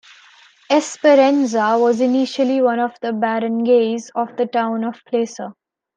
Esperanza was initially one of the barangays of the town of Placer.